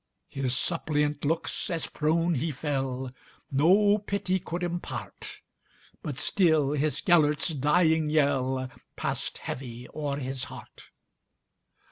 His suppliant looks, as prone he fell, No pity could impart; But still his Gêlert's dying yellPassed heavy o'er his heart.